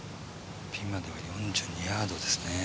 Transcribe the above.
ピンまでは４２ヤードです